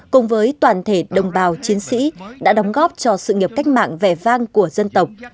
cùng với toàn thể đồng bào chiến sĩ đã đóng góp cho sự nghiệp cách mạng vẻ vang của dân tộc